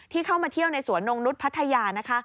ที่เข้ามาเที่ยวในสวนงนุษย์พัทยา